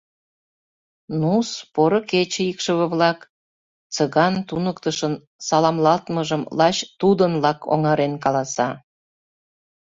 «Ну-с, поро кече, икшыве-влак!» — Цыган туныктышын саламлалтмыжым лач тудынлак оҥарен каласа.